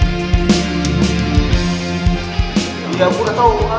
ya gue udah tau kan pasportnya